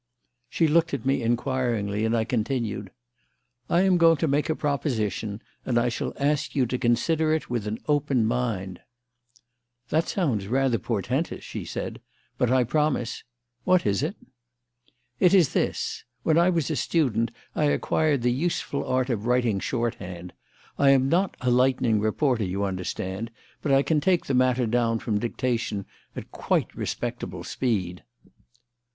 She looked at me inquiringly, and I continued: "I am going to make a proposition, and I shall ask you to consider it with an open mind." "That sounds rather portentous," said she; "but I promise. What is it?" "It is this: When I was a student I acquired the useful art of writing shorthand. I am not a lightning reporter, you understand, but I can take matter down from dictation at quite respectable speed."